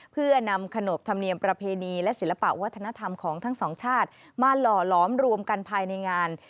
เพื่อนำขนบธรรมเนียมประเพณีและศิลปะวัฒนธรรมของทั้งสองชาติมาหล่อหลอมรวมกันภายในงาน